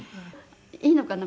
いいのかな？